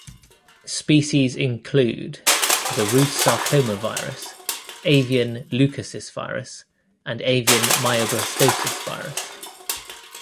Species include the Rous sarcoma virus, avian leukosis virus, and avian myeloblastosis virus.